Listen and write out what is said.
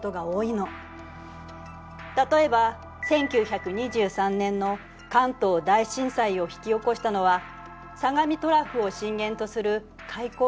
例えば１９２３年の関東大震災を引き起こしたのは相模トラフを震源とする海溝型地震だった。